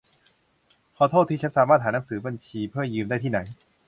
ขอโทษที ฉันสามารถหาหนังสือบัญชีเพื่อยืมได้ที่ไหน ?